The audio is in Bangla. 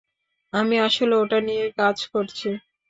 আমি আসলে ওটা নিয়েই কাজ করছি।